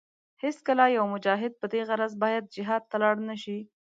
هېڅکله يو مجاهد په دې غرض باید جهاد ته لاړ نشي.